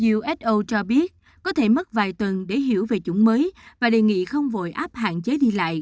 uso cho biết có thể mất vài tuần để hiểu về chủng mới và đề nghị không vội áp hạn chế đi lại